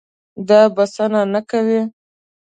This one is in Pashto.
دا بسنه نه کوي.